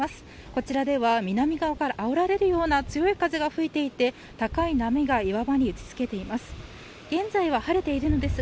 こちらでは南側からあおられるような強い風が吹いていて高い波が岩場に打ち付けています。